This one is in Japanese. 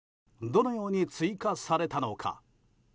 どのように追加されたのか。